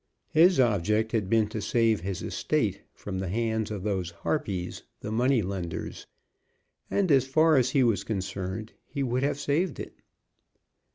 His object had been to save his estate from the hands of those harpies, the money lenders; and as far as he was concerned he would have saved it.